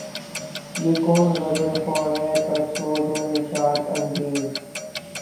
یہ کون غزل خواں ہے پرسوز و نشاط انگیز